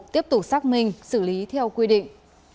tiếp tục xác minh xử lý theo quy định